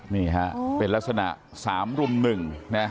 นี่ค่ะเป็นลักษณะสามรุ่มหนึ่ง